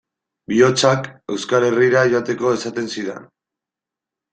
Bihotzak Euskal Herrira joateko esaten zidan.